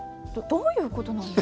どういうことなんです？